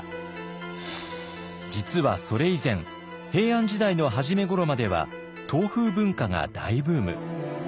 実はそれ以前平安時代の初めごろまでは唐風文化が大ブーム。